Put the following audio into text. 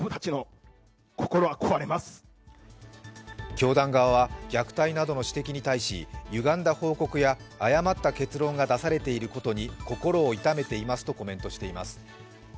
教団側は虐待などの指摘に対し、ゆがんだ報告や誤った結論が出されていることに心を痛めていますとコメントしています。